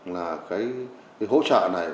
là cái hỗ trợ này